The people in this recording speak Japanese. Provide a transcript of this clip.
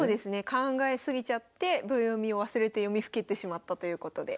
考え過ぎちゃって秒読みを忘れて読みふけってしまったということで。